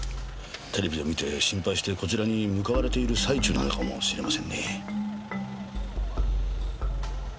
テレビで見て心配してこちらに向かわれている最中なのかもしれませんね。